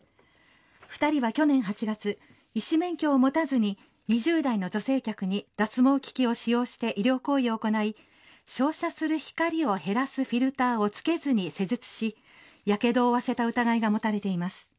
２人は去年８月医師免許を持たずに２０代の女性客に脱毛機器を使用して医療行為を行い照射する光を減らすフィルターを付けずに施術しやけどを負わせた疑いが持たれています。